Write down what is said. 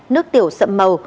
nước tiểu sậm màu